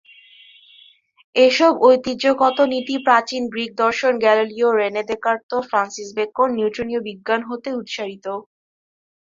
এসব ঐতিহ্যগত নীতি প্রাচীন গ্রিক দর্শন, Galileo, Rene Descartes, Francis Bacon, নিউটনীয় বিজ্ঞান হতে উৎসারিত।